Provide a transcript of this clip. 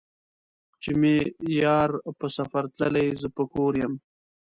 چې مې يار په سفر تللے زۀ به کور يم